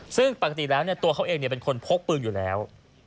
ซึ่งปกติแล้วตัวเขาเองเป็นคนพกปืนอยู่แล้ว